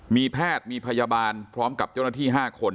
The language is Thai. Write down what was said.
มีแพทย์มีพยาบาลพร้อมกับเจ้าหน้าที่๕คน